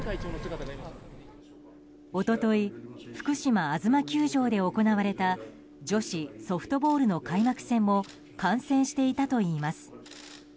一昨日福島あづま球場で行われた女子ソフトボールの開幕戦を観戦していたといいます。